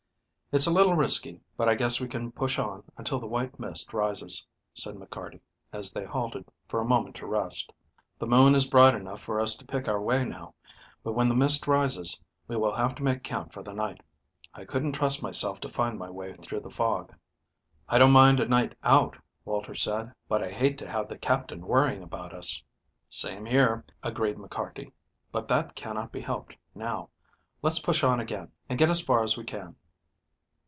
"It's a little risky, but I guess we can push on until the white mist rises," said McCarty, as they halted for a moment to rest. "The moon is bright enough for us to pick our way now, but when the mist rises we will have to make camp for the night. I couldn't trust myself to find my way through the fog." "I don't mind a night out," Walter said, "but I hate to have the Captain worrying about us." "Same here," agreed McCarty. "But that cannot be helped now. Let's push on again, and get as far as we can."